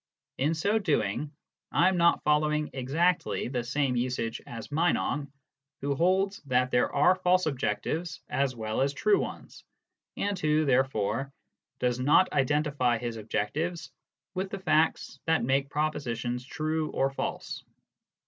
In so doing, I am not following exactly the same usage as Meinong, who holds that there are false objectives as well as true ones, and who, therefore, does not identify his objectives with the facts that make propositions true or false.